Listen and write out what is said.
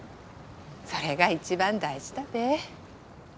それが一番大事だべ。